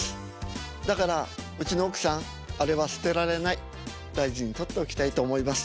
だからうちの奥さんあれは捨てられない大事に取っておきたいと思います。